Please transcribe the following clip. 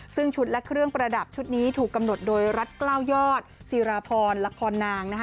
ซึ่งชุดและเครื่องประดับชุดนี้ถูกกำหนดโดยรัฐกล้าวยอดศิราพรละครนางนะคะ